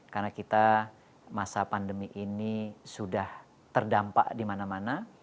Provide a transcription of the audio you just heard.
karena kita masa pandemi ini sudah terdampak di mana mana